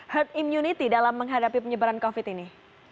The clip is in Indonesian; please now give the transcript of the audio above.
herd immunity dalam menghadapi penyebaran covid ini